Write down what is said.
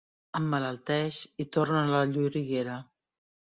Emmalalteix i torna a la lloriguera.